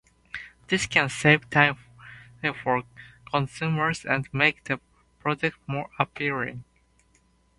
This can save time for consumers and make the product more appealing.